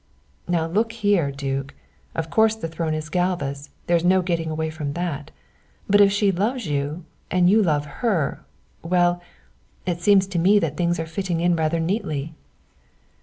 "Now, look here, duke: of course the throne is Galva's, there's no getting away from that, but if she loves you and you love her well it seems to me that things are fitting in rather neatly."